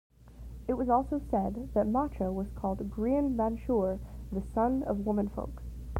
It was also said that Macha was called "Grian Banchure", the "Sun of Womanfolk.